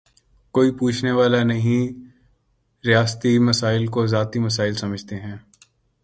کوئی پوچھنے والا نہیں، ریاستی وسائل کوذاتی وسائل سمجھتے ہیں۔